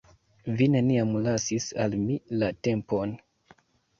Vi neniam lasis al mi la tempon.